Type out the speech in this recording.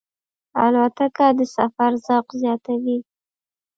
الوتکه د سفر ذوق زیاتوي.